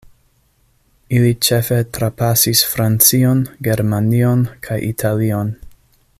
Ili ĉefe trapasis Francion, Germanion kaj Italion.